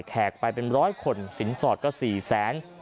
แขกไปเป็น๑๐๐คนสินสอดก็๔๐๐๐๐๐บาท